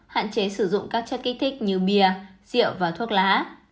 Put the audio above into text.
hạn chế sử dụng các chất kích thích như bia rượu và thuốc lá